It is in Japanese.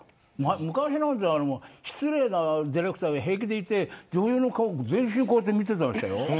昔なんて失礼なディレクターが平気でいて女優の全身こうやって見てましたよ。